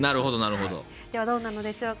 どうなのでしょうか。